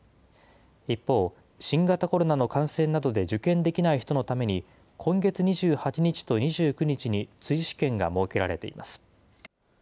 一方、新型コロナの感染などで受験できない人のために、今月２８日と２９日に追試験が設けられています。